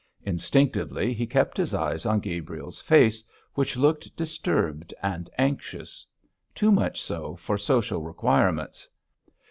Instinctively he kept his eyes on Gabriel's face, which looked disturbed and anxious; too much so for social requirements.